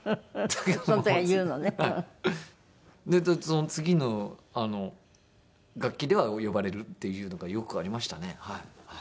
その次の学期では呼ばれるっていうのがよくありましたねはい。